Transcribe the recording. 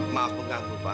maaf mengganggu pak